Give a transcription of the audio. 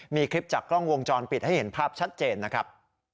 มีคลิปจากกล้องวงจรปิดให้เห็นภาพชัดเจนนะครับ